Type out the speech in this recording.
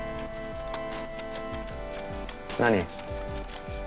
何？